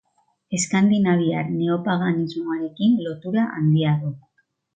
Eskandinaviar neopaganismoarekin lotura handia du.